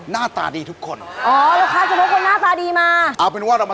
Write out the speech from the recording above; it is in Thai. นอกการ์ตูนครับ